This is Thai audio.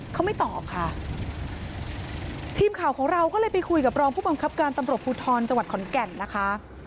เขาไม่ตอบค่ะทีมข่าวของเราก็เลยไปคุยกับรองผู้บังคับการตำรวจภูทรจังหวัดขอนแก่นนะคะ